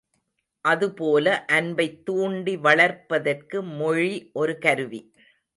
அதுபோல, அன்பைத் தூண்டி வளர்ப்பதற்கு மொழி ஒரு கருவி.